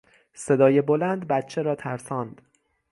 صدای بلند بچه را ترساند.